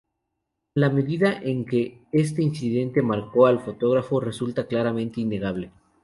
La medida en que este incidente marcó al fotógrafo resulta claramente innegable.